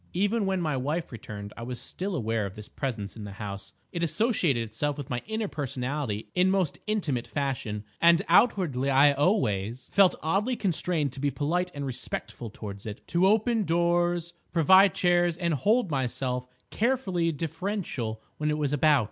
"Even when my wife returned I was still aware of this Presence in the house; it associated itself with my inner personality in most intimate fashion; and outwardly I always felt oddly constrained to be polite and respectful towards it—to open doors, provide chairs and hold myself carefully deferential when it was about.